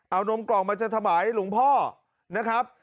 เอานมกล่องมาจะถวายหลวงพ่อนะครับ